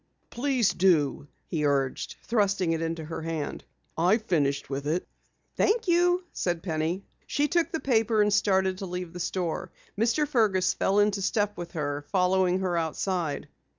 "Please do," he urged, thrusting it into her hand. "I have finished with it." "Thank you," said Penny. She took the paper and started to leave the store. Mr. Fergus fell into step with her, following her outside.